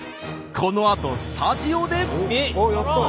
このあとスタジオで！